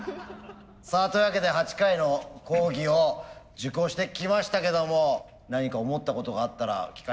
さあというわけで８回の講義を受講してきましたけども何か思ったことがあったら聞かせて下さい舘野さん。